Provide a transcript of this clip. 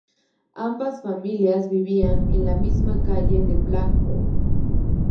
Ambas familias vivían en la misma calle en Blackpool.